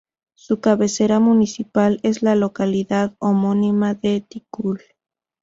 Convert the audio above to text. Su cabecera municipal es la localidad homónima de Ticul.